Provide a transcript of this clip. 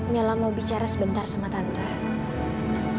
mila mau bicara sebentar sama tante